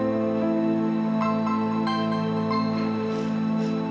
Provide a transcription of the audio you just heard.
nanti ini yang diharta uang babitungmu